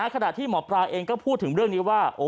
ขณะที่หมอปลาเองก็พูดถึงเรื่องนี้ว่า